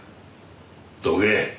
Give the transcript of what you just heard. どけ。